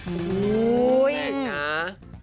ฮูยแหละนะ